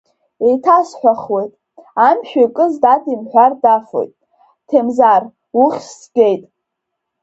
Еиҭасҳәахуеит, амшә иакыз дад имҳәар дафоит, Ҭемраз, уххь згеит!